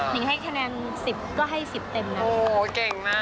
หนิงให้คะแนน๑๐ก็ให้๑๐เต็ม